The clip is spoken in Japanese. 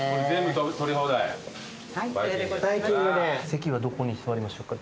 席はどこに座りましょうか。